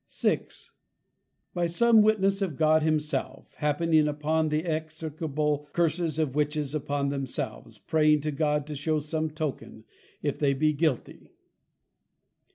VI. By some Witness of God Himself, happening upon the Execrable Curses of Witches upon themselves, Praying of God to show some Token, if they be Guilty.